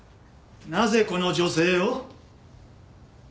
なぜこの女性を？